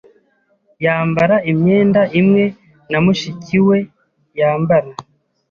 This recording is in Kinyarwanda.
Yambara imyenda imwe na mushiki we yambara.